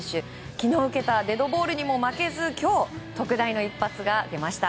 昨日受けたデッドボールにも負けず今日、特大の一発が出ました。